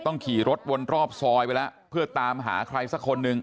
ขี่รถวนรอบซอยไปแล้วเพื่อตามหาใครสักคนหนึ่ง